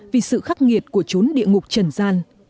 vì sự khắc nghiệt của chốn địa ngục trần gian